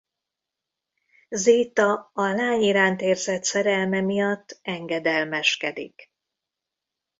Zéta a lány iránt érzett szerelme miatt engedelmeskedik.